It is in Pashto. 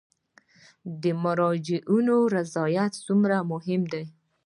د مراجعینو رضایت څومره مهم دی؟